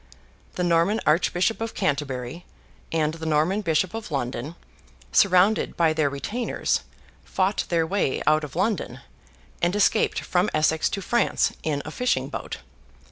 The Norman Archbishop of Canterbury, and the Norman Bishop of London, surrounded by their retainers, fought their way out of London, and escaped from Essex to France in a fishing boat.